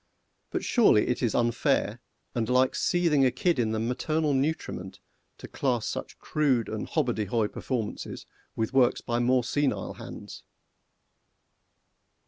But surely it is unfair, and like seething a kid in the maternal nutriment, to class such crude and hobbardyhoy performances with works by more senile hands!